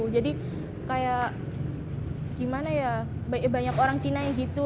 kayak gimana ya banyak orang cina yang gitu